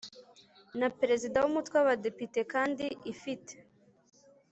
Na perezida w umutwe w abadepite kandi ifite